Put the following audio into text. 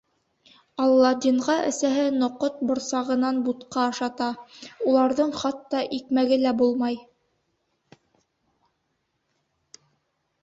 Аладдинға әсәһе ноҡот борсағынан бутҡа ашата, уларҙың хатта икмәге лә булмай!